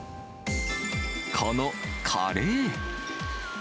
このカレー。